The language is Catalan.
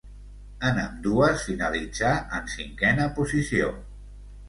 En ambdues finalitzà en cinquena posició.